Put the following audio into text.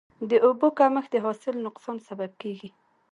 د اوبو کمښت د حاصل نقصان سبب کېږي.